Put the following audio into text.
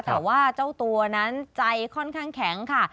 แต่ว่าเจ้าตัวนั้นใจค่อนข้างแข็งค่ะ